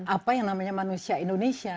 apa yang namanya manusia indonesia